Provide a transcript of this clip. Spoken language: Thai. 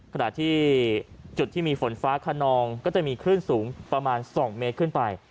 ขณะที่จุดที่มีฝนฟ้าขนองก็จะมีคลื่นสูงประมาณ๒เมตรขึ้นไป